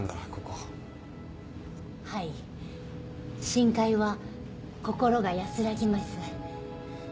深海は心が安らぎます。